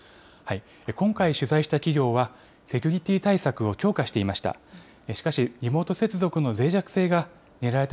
今回取材した企業は、セキュリティー対策を強化していました。